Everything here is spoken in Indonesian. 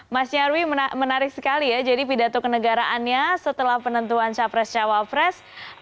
mas nyarwi menarik sekali ya jadi pidato kenegaraannya setelah penentuan capres cawapres